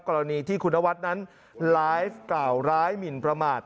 กรณีที่คุณนวัดนั้นไลฟ์กล่าวร้ายหมินประมาท